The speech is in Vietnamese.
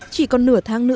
chỉ còn nửa tháng trước